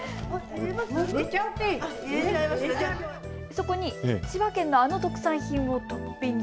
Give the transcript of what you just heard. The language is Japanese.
そこに千葉県のあの特産品をトッピング。